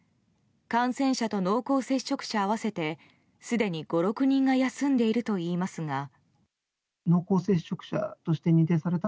感染者と濃厚接触者合わせてすでに５６人が休んでいるといいますが。